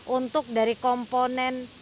untuk dari komponen